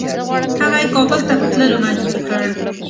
هغه یې کابل ته په تللو مجبور کړ.